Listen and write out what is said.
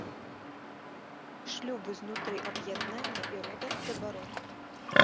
Шлюбы знутры аб'яднання і рода забаронены.